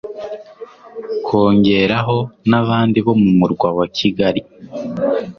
kongeraho nabandi bo mu murwa wa Kigali